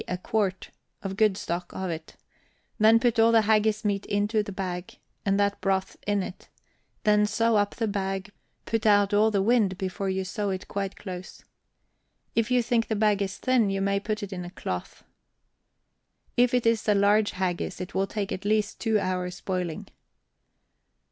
_ a quart) of good stock of it; then put all the haggis meat into the bag, and that broth in it; then sew up the bag; put out all the wind before you sew it quite close. If you think the bag is thin, you may put it in a cloth. If it is a large haggis, it will take at least two hours boiling.